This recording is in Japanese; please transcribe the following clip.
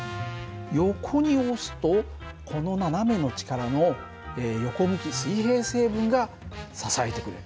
横に押すとこの斜めの力の横向き水平成分が支えてくれる。